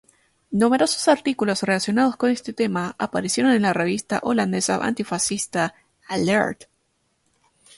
Numerosos artículos relacionados con este tema aparecieron en la revista holandesa antifascista "Alert!".